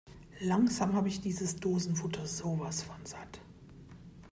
Langsam habe ich dieses Dosenfutter sowas von satt!